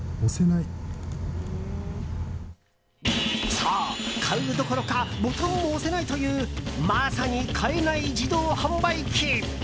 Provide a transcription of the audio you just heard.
そう、買うどころかボタンも押せないというまさに買えない自動販売機。